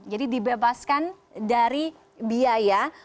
jadi dibebaskan dari biaya